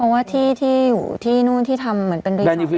ว่าที่ที่นู้นที่ทำเหมือนเป็นเป็นที่